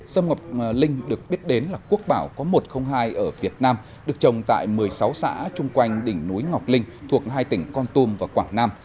sâm ngọc linh được biết đến là quốc bảo có một trăm linh hai ở việt nam được trồng tại một mươi sáu xã chung quanh đỉnh núi ngọc linh thuộc hai tỉnh con tum và quảng nam